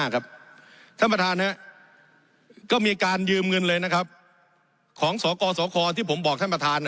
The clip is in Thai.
๕๒ครับท่านบทหารก็มีการยืมเงินของสวครสวครที่ผมบอก่อน